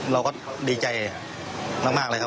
เราก็ดีใจมากเลยครับ